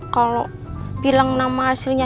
kalau bilang nama aslinya